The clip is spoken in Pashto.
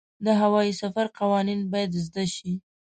د هوايي سفر قوانین باید زده شي.